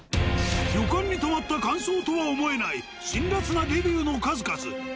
旅館に泊まった感想とは思えない辛辣なレビューの数々。